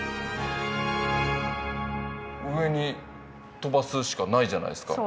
上に飛ばすしかないじゃないですか。